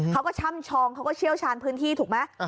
ช่ำชองเขาก็เชี่ยวชาญพื้นที่ถูกไหม